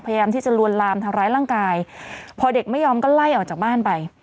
พยายามที่จะลวนลามทำร้ายร่างกายพอเด็กไม่ยอมก็ไล่ออกจากบ้านไป